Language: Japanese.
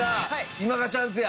今がチャンスや！